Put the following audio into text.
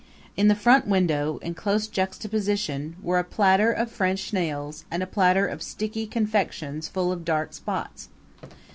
In the front window, in close juxtaposition, were a platter of French snails and a platter of sticky confections full of dark spots.